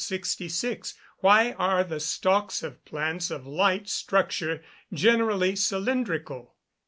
_Why are the stalks of plants of light structure generally cylindrical?